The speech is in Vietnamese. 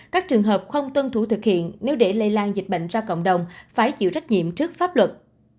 các trường hợp không tuân thủ thực hiện nếu để lây lan dịch bệnh ra cộng đồng phải chịu trách nhiệm trước pháp luật